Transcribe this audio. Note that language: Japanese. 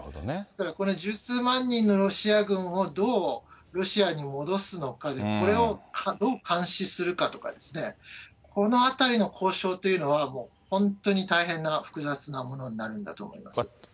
ですからこれ、十数万人のロシア軍をどうロシアに戻すのかで、これをどう監視するかとかですね、このあたりの交渉というのは、本当に大変な複雑なものになるんだと思います。